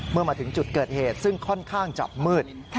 เมื่อมาถึงจุดเกิดเหตุซึ่งค่อนข้างจะมืด